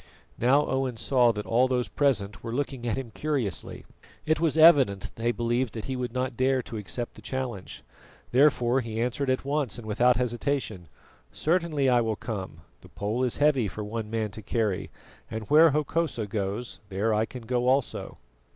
Now Owen saw that all those present were looking at him curiously. It was evident they believed that he would not dare to accept the challenge. Therefore he answered at once and without hesitation: "Certainly I will come; the pole is heavy for one man to carry, and where Hokosa goes, there I can go also."